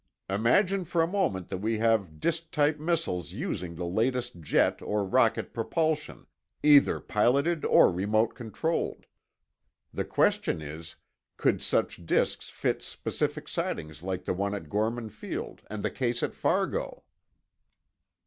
Imagine for a moment that we have disk type missiles using the latest jet or rocket propulsion—either piloted or remote controlled. The question is, could such disks fit specific sightings like the one at Godman Field and the case at Fargo?"